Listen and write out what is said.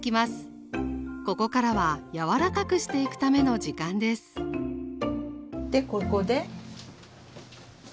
ここからはやわらかくしていくための時間ですでここで。